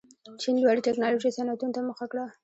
چین لوړې تکنالوژۍ صنعتونو ته مخه کړه.